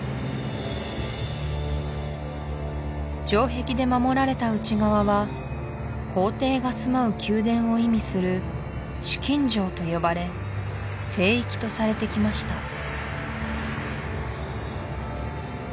城壁で守られた内側は皇帝が住まう宮殿を意味する紫禁城と呼ばれ聖域とされてきました